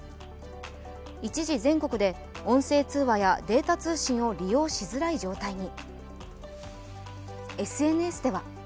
一時全国で音声通話やデータ通信を利用しづらい状態が。